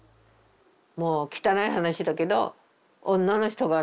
もう汚い話だけど女の人がね